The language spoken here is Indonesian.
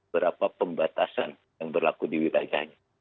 berapa pembatasan yang berlaku di wilayahnya